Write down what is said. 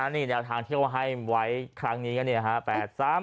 นี่แนวทางที่ว่าให้ไว้ครั้งนี้ก็เนี่ยครับ